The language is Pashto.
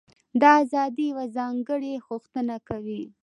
دا ازادي یوه ځانګړې غوښتنه کوي.